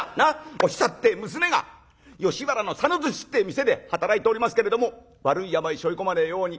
『お久って娘が吉原の佐野って店で働いておりますけれども悪い病しょい込まねえように』。